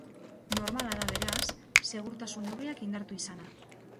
Normala da, beraz, segurtasun neurriak indartu izana.